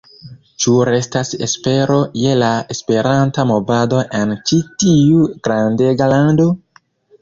Ĉu restas espero je la Esperanta movado en ĉi tiu grandega lando?